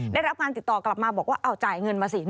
ได้รับการติดต่อกลับมาบอกว่าเอาจ่ายเงินมาสิ